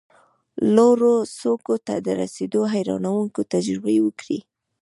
لوړو څوکو ته د رسېدو حیرانوونکې تجربې وکړې،